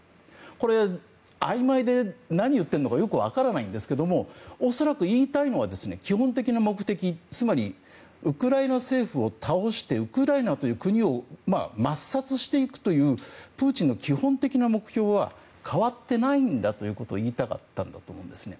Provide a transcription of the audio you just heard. これ、あいまいで何を言っているのかよく分からないんですけど恐らく、言いたいのは基本的な目的つまり、ウクライナ政府を倒してウクライナという国を抹殺していくというプーチンの基本的な目標は変わっていないんだということを言いたいんだと思うんですね。